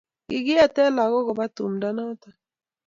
kikieten lagok koba tumdo noto